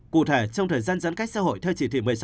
cụ thể trong thời gian giãn cách xã hội theo chỉ thị một mươi sáu